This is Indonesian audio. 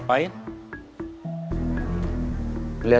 saya punya era j ao